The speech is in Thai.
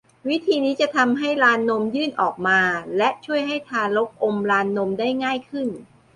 วิธีนี้จะทำให้ลานนมยื่นออกมาและช่วยให้ทารกอมลานนมได้ง่ายขึ้น